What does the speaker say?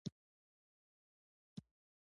زرغونه کاکړه د ملا دین محمد کاکړ لور وه.